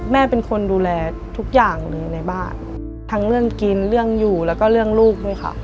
แม่เป็นคนดูแลทุกอย่างเลยในบ้านทั้งเรื่องกินเรื่องอยู่แล้วก็เรื่องลูกด้วยค่ะ